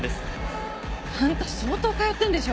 あんた相当通ってんでしょ。